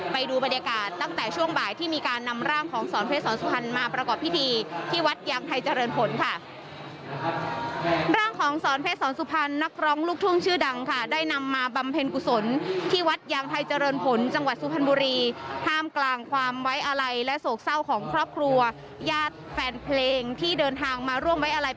ไปดูบรรยากาศตั้งแต่ช่วงบ่ายที่มีการนำร่างของสอนเพชรสอนสุพรณมาประกอบพิธีที่วัดยางไทยเจริญผลค่ะร่างของสอนเพชรสอนสุพรณนักร้องลูกทุ่งชื่อดังค่ะได้นำมาบำเพ็ญกุศลที่วัดยางไทยเจริญผลจังหวัดสุพรรณบุรีห้ามกลางความไว้อะไรและโศกเศร้าของครอบครัวญาติแฟนเพลงที่เดินทางมาร่ว